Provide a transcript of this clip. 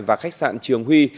và khách sạn trường huy